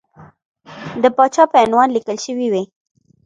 د پاچا په عنوان لیکل شوی وو.